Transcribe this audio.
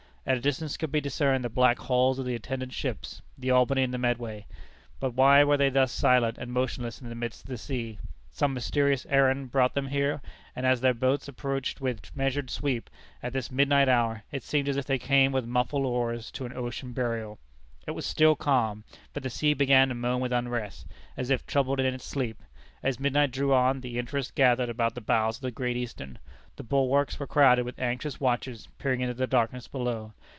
At a distance could be discerned the black hulls of the attendant ships, the Albany and the Medway. But why were they thus silent and motionless in the midst of the sea? Some mysterious errand brought them here, and as their boats approached with measured sweep, at this midnight hour, it seemed as if they came with muffled oars to an ocean burial. It was still calm, but the sea began to moan with unrest, as if troubled in its sleep. As midnight drew on, the interest gathered about the bows of the Great Eastern. The bulwarks were crowded with anxious watchers, peering into the darkness below.